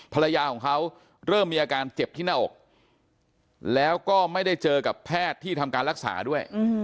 ภรรยาของเขาเริ่มมีอาการเจ็บที่หน้าอกแล้วก็ไม่ได้เจอกับแพทย์ที่ทำการรักษาด้วย